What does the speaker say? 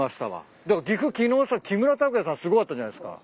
岐阜昨日さ木村拓哉さんすごかったじゃないっすか。